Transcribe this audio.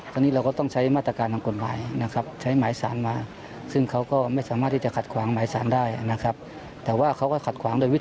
ketika mereka berada di dalam perjalanan yang besar mereka ingin melihat hal hal yang bebas